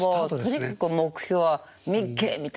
とにかく目標見っけみたいな。